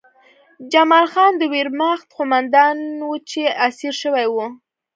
جمال خان د ویرماخت قومندان و چې اسیر شوی و